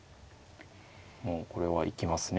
もうこれは行きますね。